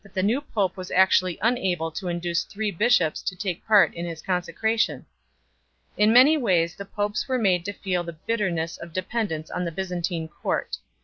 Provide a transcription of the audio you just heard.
ix. 15. The Church and the Empire. 193 three bishops to take part in his consecration 1 . In many ways the popes were made to feel the bitterness of de pendence on the Byzantine court.